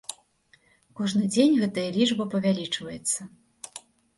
Кожны дзень гэтая лічба павялічваецца.